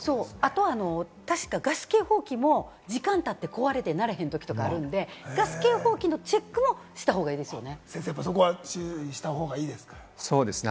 あとガス警報器も時間たって壊れて、鳴れへんときとかあるので、ガス警報器のチェックもした方がいいですよね。